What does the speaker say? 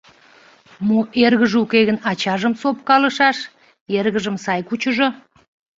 — Мо, эргыже уке гын, ачажым сопкалышаш, эргыжым сай кучыжо.